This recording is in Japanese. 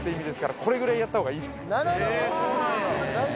これぐらいやった方がいいですよ。